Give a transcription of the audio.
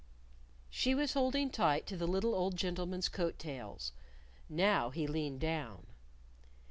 She was holding tight to the little old gentleman's coat tails. Now he leaned down.